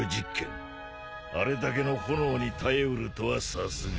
あれだけの炎に耐えうるとはさすが。